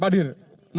pak dir aja